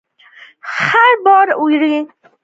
خره بار وړي.